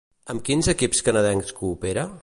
Amb quins equips canadencs coopera?